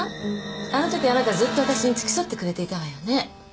あのときあなたずっとわたしに付き添ってくれていたわよね？